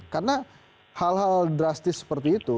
karena hal hal drastis seperti itu